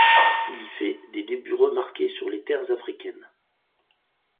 Il y fait des débuts remarqués sur les terres africaines.